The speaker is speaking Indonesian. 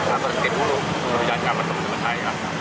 dia berdiri dulu menurut jangkaan teman teman saya